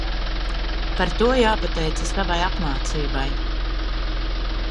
Par to jāpateicas tavai apmācībai.